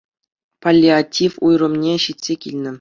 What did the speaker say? Паллиатив уйрӑмне ҫитсе килнӗ